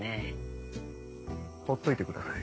ほっといてください。